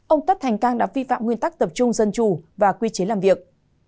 ông tất thành cang đã vi phạm nguyên tắc tập trung dân chủ và quy chế làm việc